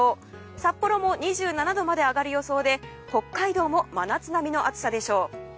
札幌も２７度まで上がる予想で北海道も真夏並みの暑さでしょう。